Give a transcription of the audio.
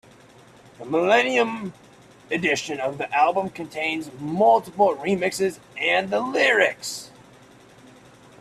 The millennium edition of the album contains multiple remixes and the lyrics.